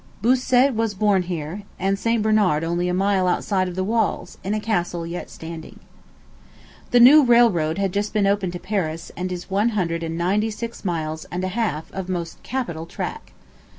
Bossuet was born here, and St. Bernard only a mile outside the walls, in a castle yet standing. The new railroad had just been opened to Paris, and is one hundred and ninety six miles and a half of most capital track.